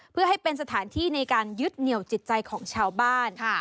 เพื่อให้เป็นสถานที่ในการยึดเหนียวจิตใจของชาวบ้าน